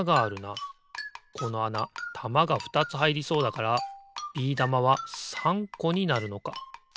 このあなたまがふたつはいりそうだからビー玉は３こになるのか。